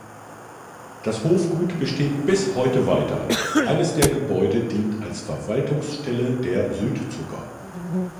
Das Hofgut besteht bis heute weiter, eines der Gebäude dient als Verwaltungsstelle der Südzucker.